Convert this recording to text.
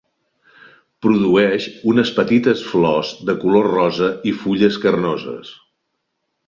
Produeix unes petites flors de color rosa i fulles carnoses.